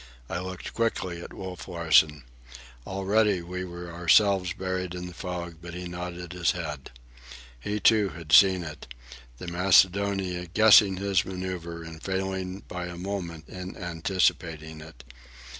I looked quickly at Wolf Larsen. Already we were ourselves buried in the fog, but he nodded his head. He, too, had seen it—the Macedonia, guessing his manœuvre and failing by a moment in anticipating it.